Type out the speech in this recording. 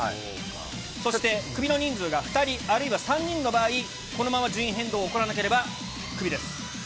そしてクビの人数が２人、あるいは３人の場合、このまま順位変動起こらなければ、クビです。